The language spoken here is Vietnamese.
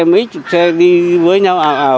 mấy chục xe đi với nhau